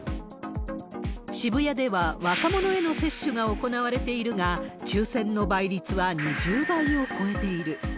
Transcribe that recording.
渋谷では若者への接種が行われているが、抽せんの倍率は２０倍を超えている。